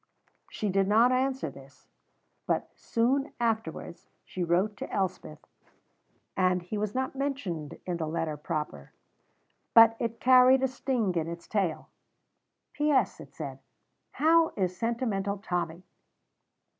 She did not answer this, but soon afterwards she wrote to Elspeth, and he was not mentioned in the letter proper, but it carried a sting in its tail. "P.S.," it said "How is Sentimental Tommy?"